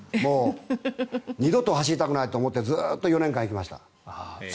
二度と走りたくないと思ってずっと４年間行きました。